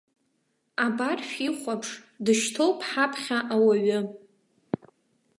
Абар, шәихәаԥш, дышьҭоуп ҳаԥхьа ауаҩы.